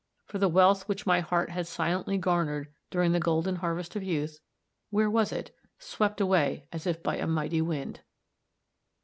for the wealth which my heart had silently garnered during the golden harvest of youth where was it? Swept away as by a mighty wind.